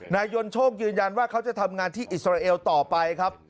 นายยนโชคยืนยันว่าเขาจะทำงานที่อิสราเอลต่อไปครับ